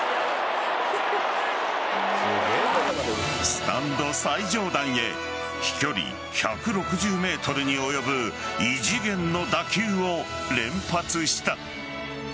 スタンド最上段へ飛距離１６０ｍに及ぶ異次元の打球を連発した。